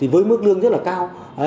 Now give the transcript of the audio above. với mức lương rất là cao